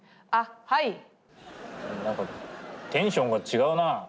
なんかテンションが違うな。